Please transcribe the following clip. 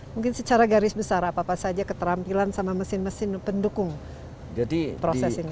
mungkin secara garis besar apa apa saja keterampilan sama mesin mesin pendukung proses ini